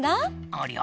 ありゃ。